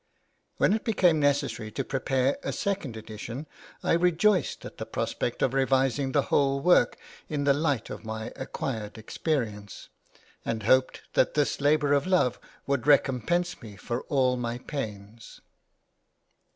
When it became necessary to prepare a second edition, I rejoiced at the prospect of revising the whole work in the light of my acquired experience, and hoped that this labour of love would recompense me for all my pains.